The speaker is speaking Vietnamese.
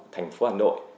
thành phố hà nội